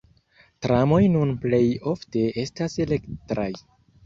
Tramoj nun plej ofte estas elektraj.